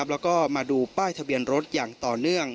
แล้วก็มาดูป้ายทะเบียนรถอย่างต่อเนื่อง